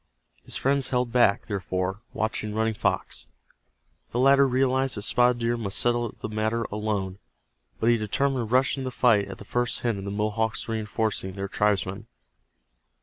His friends held back, therefore, watching Running Fox. The latter realized that Spotted Deer must settle the matter alone, but he determined to rush into the fight at the first hint of the Mohawks reinforcing their tribesman.